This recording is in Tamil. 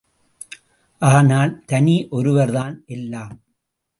ஆனால், தனி ஒருவர்தான் எல்லாம்!